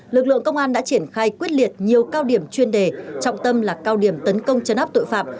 lực lượng công an đã triển khai quyết liệt nhiều cao điểm chuyên đề trọng tâm là cao điểm tấn công chấn áp tội phạm